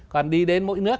còn đi đến mỗi nước